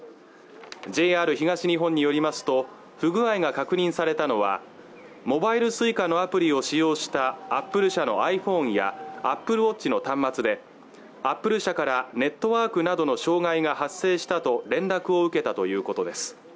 ＪＲ東日本によりますと不具合が確認されたのはモバイルＳｕｉｃａのアプリを使用したアップル社のＩＰＨＯＮＥやＡＰＰＬＥＷＡＴＣＨの端末でアップル社からネットワークなどの障害が発生したと連絡を受けたということです